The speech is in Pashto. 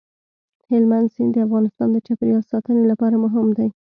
هلمند سیند د افغانستان د چاپیریال ساتنې لپاره مهم دی.